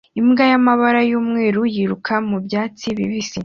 Imbwa y'amabara y’ umweru yiruka mu byatsi bibisi